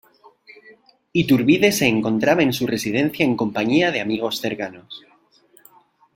Iturbide se encontraba en su residencia en compañía de amigos cercanos.